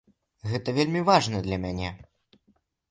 Гэта вельмі важна для мяне.